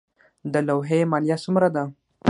د لوحې مالیه څومره ده؟